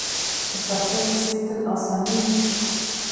په سختۍ پسې تل اساني وي.